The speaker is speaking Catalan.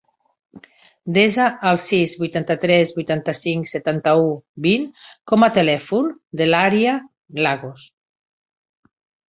Desa el sis, vuitanta-tres, vuitanta-cinc, setanta-u, vint com a telèfon de l'Aria Lagos.